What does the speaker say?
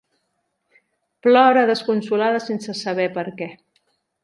Plora desconsolada sense saber per què.